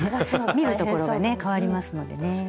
見るところがねかわりますのでね。